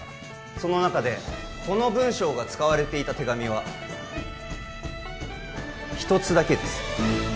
その中でこの文章が使われていた手紙は一つだけです